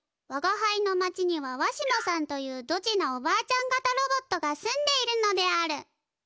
わがはいの町にはわしもさんというドジなおばあちゃんがたロボットが住んでいるのである」。